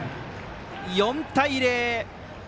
４対０。